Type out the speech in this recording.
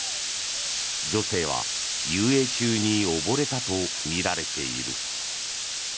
女性は遊泳中に溺れたとみられている。